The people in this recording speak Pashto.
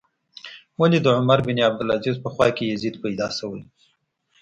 ولې د عمر بن عبدالعزیز په خوا کې یزید پیدا شوی.